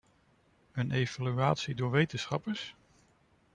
Een evaluatie door wetenschappers?